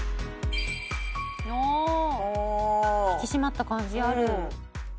ああ引き締まった感じある。